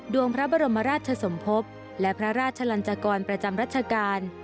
วงพระบรมราชสมภพและพระราชลันจกรประจำรัชกาล